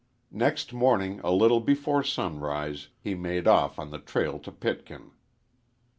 Next morning a little before sunrise he made off on the trail to Pitkin.